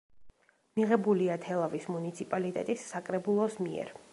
მიღებულია თელავის მუნიციპალიტეტის საკრებულოს მიერ.